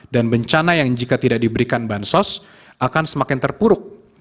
dan bencana yang jika tidak diberikan bansos akan semakin terpuruk